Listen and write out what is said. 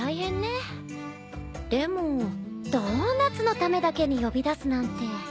ドーナツのためだけに呼び出すなんて。